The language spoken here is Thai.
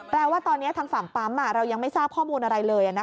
ว่าตอนนี้ทางฝั่งปั๊มเรายังไม่ทราบข้อมูลอะไรเลย